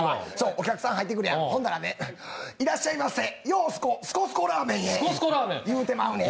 お客さん入ってくるやん、いらっしゃいませ、ようすこ、すこすこラーメンへ言ってまうねん。